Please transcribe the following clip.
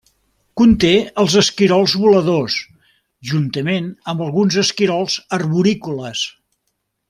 Conté els esquirols voladors juntament amb alguns esquirols arborícoles.